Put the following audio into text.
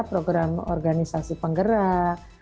program organisasi penggerak